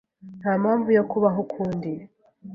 Nta mpamvu yo kubaho ukundi.